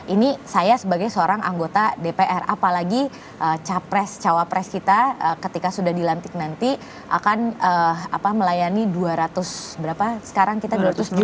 ini saya sebagai seorang anggota dpr apalagi capres cawapres kita ketika sudah dilantik nanti akan melayani dua ratus berapa sekarang kita dua ratus dua puluh